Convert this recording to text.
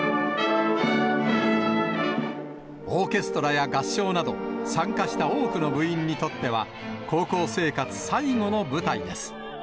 オーケストラや合唱など、参加した多くの部員にとっては、高校生活最後の舞台です。